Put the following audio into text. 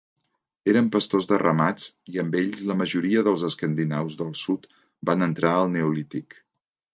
Eren pastors de ramats, i amb ells la majoria dels escandinaus del sud van entrar al Neolític.